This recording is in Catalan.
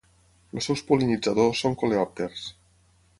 Els seus pol·linitzadors són coleòpters.